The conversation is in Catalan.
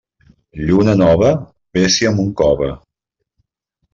Lluna nova, vés-hi amb un cove.